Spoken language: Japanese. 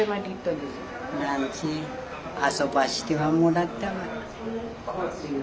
何せ遊ばせてはもらったわ。